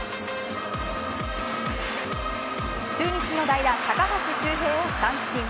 中日の代打、高橋周平を三振。